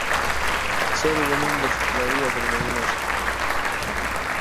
سوله د مینې د ښکلایې او درناوي نښه ده.